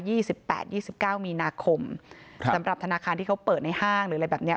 สิบแปดยี่สิบเก้ามีนาคมครับสำหรับธนาคารที่เขาเปิดในห้างหรืออะไรแบบเนี้ย